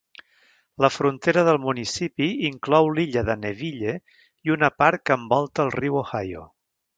La frontera del municipi inclou l'illa de Neville i una part que envolta el riu Ohio.